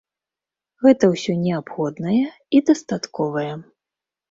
Гэта ўсё неабходнае і дастатковае.